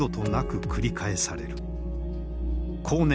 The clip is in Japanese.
後年